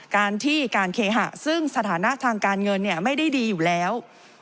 การที่การเคหะซึ่งสถานะทางการเงินไม่ได้ดีอยู่แล้ว